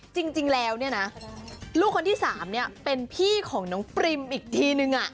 จริงแล้วเนี่ยนะลูกคนที่๓เป็นพี่ของน้องปริมอีกทีนึง